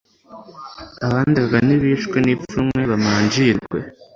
abandegaga nibicwe n'ipfunwe, bamanjirwe